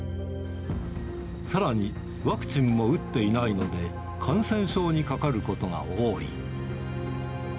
さらに、ワクチンも打っていないので、感染症にかかることが多い。